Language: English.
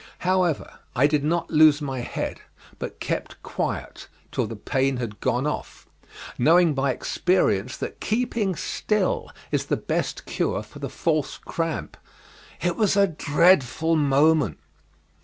However, I did not lose my head, but kept quiet till the pain had gone off, knowing by experience that keeping still is the best cure for the false cramp. It was a dreadful moment!